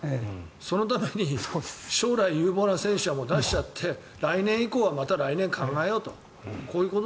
そのために将来有望な選手はもう出しちゃって来年以降はまた来年考えようと。